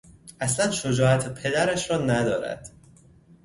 اصلا شجاعت پدرش را ندارد.